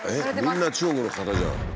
みんな中国の方じゃん。